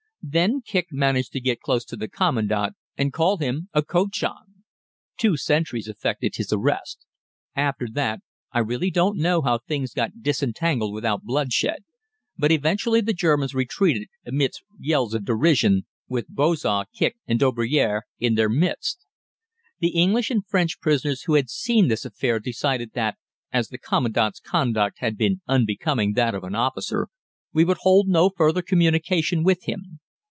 Then Kicq managed to get close to the Commandant and call him a "cochon." Two sentries effected his arrest. After that, I really don't know how things got disentangled without bloodshed, but eventually the Germans retreated amidst yells of derision, with Bojah, Kicq, and Derobiere in their midst. The English and French prisoners who had seen this affair decided that, as the Commandant's conduct had been unbecoming that of an officer, we would hold no further communication with him.